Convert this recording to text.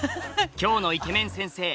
今日のイケメン先生